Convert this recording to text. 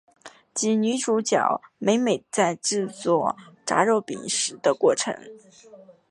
及女主角美美在制作炸肉饼时的过程。